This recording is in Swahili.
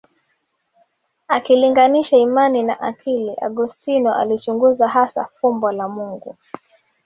Akilinganisha imani na akili Augustino alichunguza hasa fumbo la Mungu